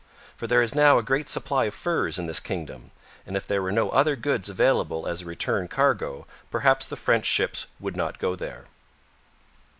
For there is now a great supply of furs in this kingdom, and if there were no other goods available as a return cargo perhaps the French ships would not go there.